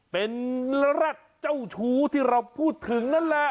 เป็นแร็ดเจ้าชู้ที่เราพูดถึงนั่นแหละ